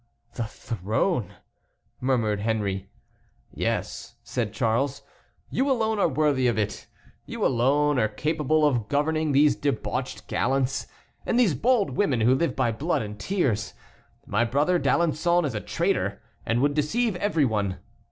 "The throne!" murmured Henry. "Yes," said Charles, "you alone are worthy of it; you alone are capable of governing these debauched gallants, and these bold women who live by blood and tears. My brother D'Alençon is a traitor, and would deceive every one.